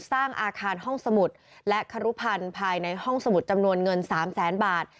สร้างอาคารห้องสมุดและครุพันธ์ภายในห้องสมุดจำนวนเงิน๓แสนบาท